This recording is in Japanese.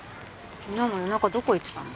昨日も夜中どこ行ってたの？